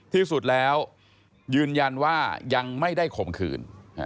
ที่สุดแล้วยืนยันว่ายังไม่ได้ข่มขืน